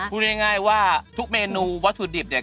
พูดง่ายว่าทุกเมนูวัตถุดิบเนี่ย